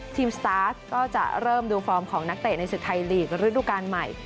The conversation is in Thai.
สตาร์ทก็จะเริ่มดูฟอร์มของนักเตะในศึกไทยลีกระดูกาลใหม่